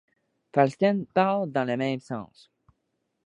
Falsten parle dans le même sens.